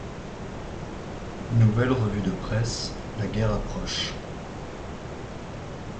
Nouvelle revue de presse, la guerre approche.